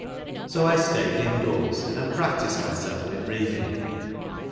So I staid in doors, and practised myself, in reading.